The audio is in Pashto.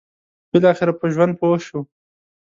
بالاخره په ژوند پوه شو.